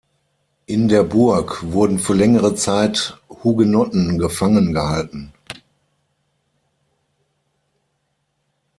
In der Burg wurden für längere Zeit Hugenotten gefangen gehalten.